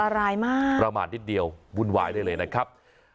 รายมากประมาทนิดเดียววุ่นวายได้เลยนะครับ